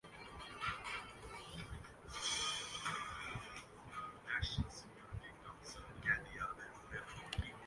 انہوں نے اضافہ کرنا کہ چھٹی کا سیزن میں کنسول پوری دنیا کا ممالک میں دستیاب ہونا گانا